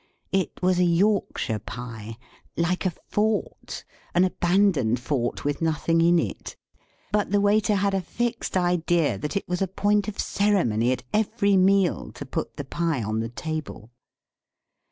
It was a Yorkshire pie, like a fort, an abandoned fort with nothing in it; but the waiter had a fixed idea that it was a point of ceremony at every meal to put the pie on the table.